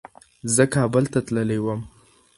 زه کابل ته تللی وم.